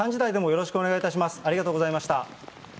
よろしくお願いします。